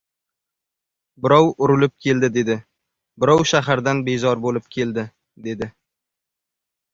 Birov urilib keldi dedi, birov shahardan bezor bo‘lib keldi, dedi.